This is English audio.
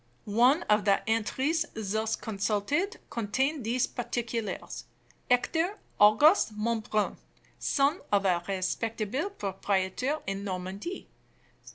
One of the entries thus consulted contained these particulars: 'Hector Auguste Monbrun, son of a respectable proprietor in Normandy.